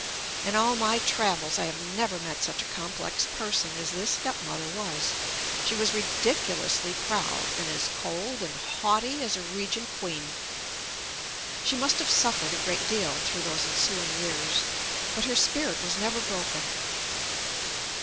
In all my travels, I have never met such a complex person as this stepmother was. She was ridicu lously proud and as cold and haughty as a re gent queen. She must have suffered a great deal through those ensuing years, but her spirit was never broken.